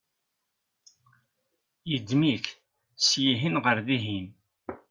yeddem-ik syihen ɣer dihin